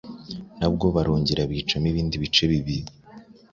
Nabwo barongera bicamo ibindi bice bibiri,